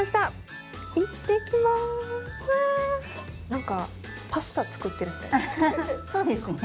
なんかパスタ作ってるみたいですね。